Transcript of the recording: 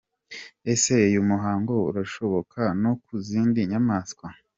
Ese uyu muhango urashoboka no ku zindi nyamaswa?.